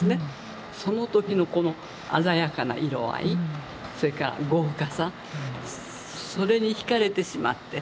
そのときのこの鮮やかな色合いそれから豪華さそれに惹かれてしまって。